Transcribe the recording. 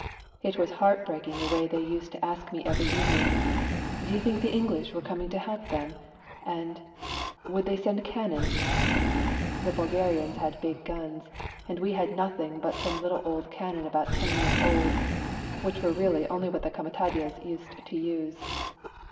It was heartbreaking the way they used to ask me every evening, " Did I think the English were coming to help them ?" and "Would they send cannon?" The Bui 48 A RIDE TO KALABAC garians had big guns, and we had nothing but some httle old cannon about ten years old, which were really only what the comitadjes used to use.